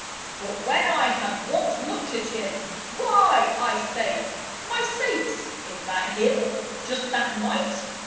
But when I had once looked at him, "Why!" I says, "My sakes, is that him? Just that mite!"